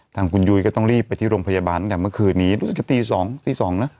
ทางคุณยุยก็ต้องรีบไปที่โรงพยาบาลกันเมื่อคืนนี้ตีสองนะ